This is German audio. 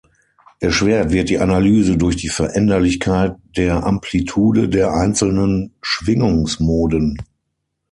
Erschwert wird die Analyse durch die Veränderlichkeit der Amplitude der einzelnen Schwingungsmoden.